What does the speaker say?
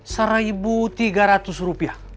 seribu tiga ratus rupiah